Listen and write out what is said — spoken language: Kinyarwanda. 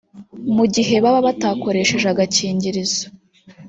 mu gihe baba batakoresheje agakingirizo